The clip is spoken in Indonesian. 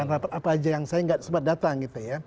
rapat apa aja yang saya nggak sempat datang